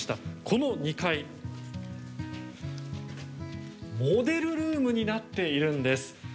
この２階モデルルームになっているんです。